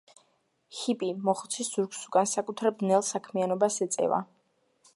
ჰიპი მოხუცის ზურგს უკან საკუთარ ბნელ საქმიანობას ეწევა.